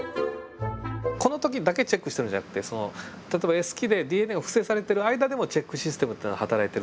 この時だけチェックしてるんじゃなくて例えばＳ期でＤＮＡが複製されている間でもチェックシステムっていうのは働いているといわれてますので。